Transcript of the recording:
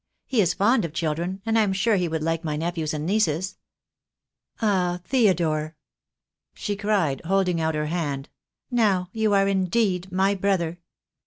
He is fond of children, and I am sure he would like my nephews and nieces. Ah, Theodore," she cried, holding out her hand, "now you are indeed my brother.